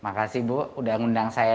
makasih bu sudah mengundang saya